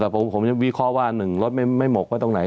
ผมจะวิเคราะห์ว่าหนึ่งรถไม่หมกไว้ตรงไหน